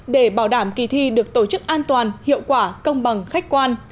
để bảo đảm kỳ thi được tổ chức an toàn hiệu quả công bằng khách quan